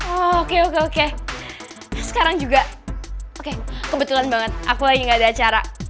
oke oke sekarang juga oke kebetulan banget aku lagi gak ada acara